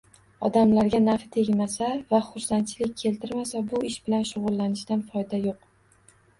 Odamlarga nafi tegmasa va xursandchilik keltirmasa, bu ish bilan shug‘ullanishdan foyda yo‘q.